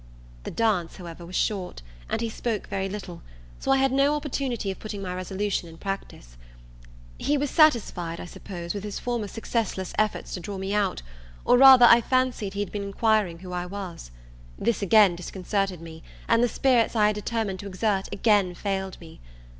The dance, however, was short, and he spoke very little; so I had no opportunity of putting my resolution in practice. He was satisfied, I suppose, with his former successless efforts to draw me out or, rather, I fancied he had been inquiring who I was. This again disconcerted me; and the spirits I had determined to exert, again failed me.